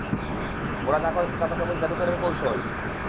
ওরা যা করেছে তা তো কেবল জাদুকরের কৌশল।